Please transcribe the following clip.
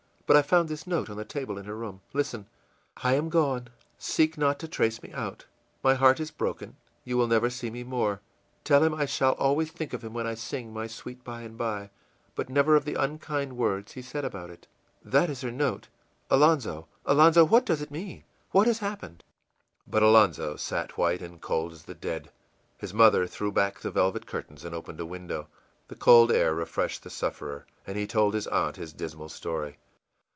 But I found this note on the table in her room. Listen: 'I am gone; seek not to trace me out; my heart is broken; you will never see me more. Tell him I shall always think of him when I sing my poor ìSweet By and by,î but never of the unkind words he said about it.' That is her note. Alonzo, Alonzo, what does it mean? What has happened?î But Alonzo sat white and cold as the dead. His mother threw back the velvet curtains and opened a window. The cold air refreshed the sufferer, and he told his aunt his dismal story.